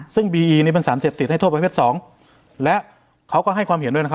ซึ่งบีอีนี่เป็นสารเสร็จติดให้โทษแพร่เวศสอง